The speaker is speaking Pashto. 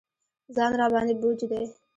ځان راباندې بوج دی.